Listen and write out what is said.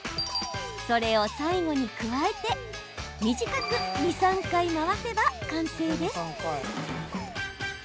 それを最後に加えて短く２３回回せば完成です。